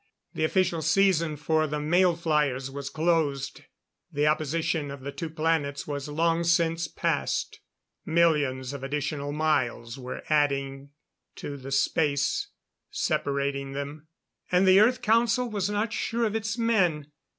The official season for the mail flyers was closed. The opposition of the two planets was long since passed; millions of additional miles were adding to the space separating them. And the Earth Council was not sure of its men!